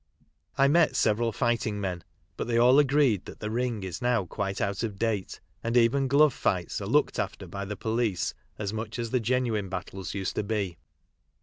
Imetseveralfightingmen, butthey all agreed that the Ring is now quite out of date, and even glove fights are looked after by the police as much as the genuine battles used to be.